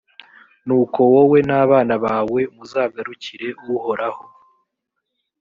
nuko wowe n’abana bawe muzagarukire uhoraho